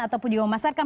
atau pun juga memasarkan